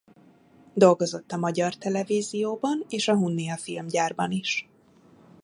Dolgozott a Magyar Televízióban és a Hunnia Filmgyárban is.